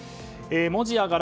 文字や柄